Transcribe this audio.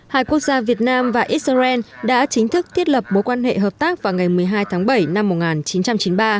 hai quốc gia việt nam và israel đã chính thức thiết lập mối quan hệ hợp tác vào ngày một mươi hai tháng bảy năm một nghìn chín trăm chín mươi ba